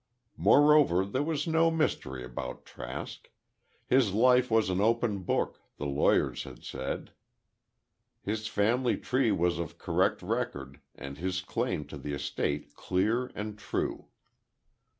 Moreover, there was no mystery about Trask. His life was an open book, the lawyers had said; his family tree was of correct record and his claim to the estate clear and true.